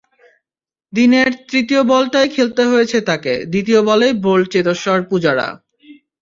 দিনের তৃতীয় বলটাই খেলতে হয়েছে তাঁকে, দ্বিতীয় বলেই বোল্ড চেতেশ্বর পূজারা।